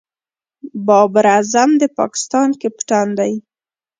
بابر اعظم د پاکستان کپتان دئ.